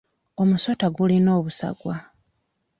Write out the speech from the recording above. Omusota gulina obusagwa.